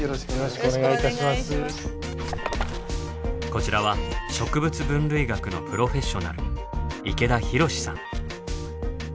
こちらは植物分類学のプロフェッショナル池田博さん。